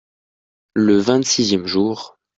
Le vingt-sixième jour.